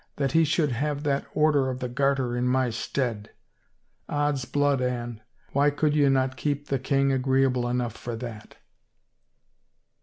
" That he should have that Order of the Garter in my stead ! Od's blood, Anne, why could ye not keep the king agreeable enough for that?"